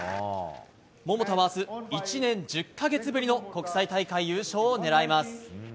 桃田は明日１年１０か月ぶりの国際大会優勝を狙います。